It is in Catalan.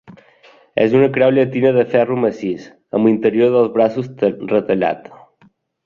És una creu llatina de ferro massís, amb l'interior dels braços retallat.